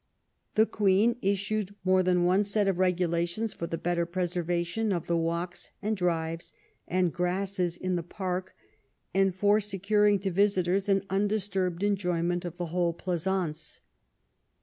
The Queen issued more than one set of regulations for the better preservation of the walks and drives and grasses in the park and for securing to visitors an undisturbed enjoy ment of the whole pleasaunce.